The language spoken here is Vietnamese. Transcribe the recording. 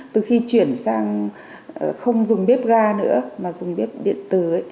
từ khi chuyển sang không dùng bếp ga nữa mà dùng bếp điện tử ấy